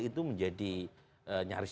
itu menjadi nyaris